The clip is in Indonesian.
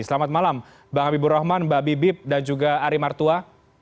selamat malam bang habibur rahman mbak bibip dan juga ari martua